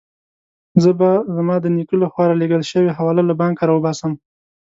زه به زما د نیکه له خوا رالېږل شوې حواله له بانکه راوباسم.